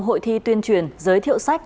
hội thi tuyên truyền giới thiệu sách